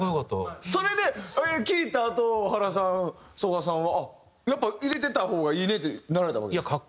それで聴いたあと原さん曽我さんはやっぱ入れてた方がいいねってなられたわけですか？